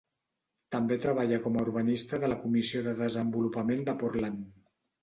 També treballa com a urbanista de la Comissió de Desenvolupament de Portland.